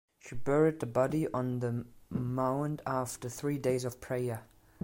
She buried the body on the mound after three days of prayer.